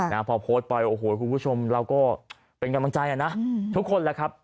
นะพอโพสต์ไปคุณผู้ชมเราก็เป็นกำลังใจนะทุกคนล่ะครับ